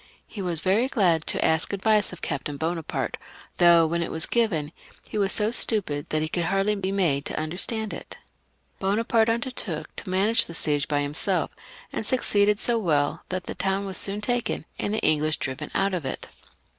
He was very glad to ask advice of Captain Bonaparte, though, when it was given, he was so stupid that he could hardly be made to understand it. Bonaparte undertook to manage the siege by himself, and succeeded 424 DIRECTORY AND CONSULATE. [CH. SO well that the town was soon taken, and the English driven out of it.